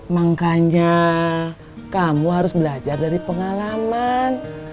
makanya kamu harus belajar dari pengalaman